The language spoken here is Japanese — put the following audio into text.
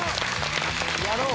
やろう！